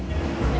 ya tau lah